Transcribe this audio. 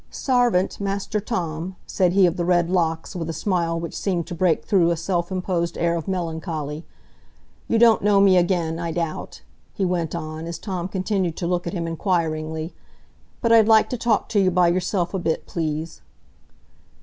"Sarvant, Master Tom," said he of the red locks, with a smile which seemed to break through a self imposed air of melancholy. "You don't know me again, I doubt," he went on, as Tom continued to look at him inquiringly; "but I'd like to talk to you by yourself a bit, please."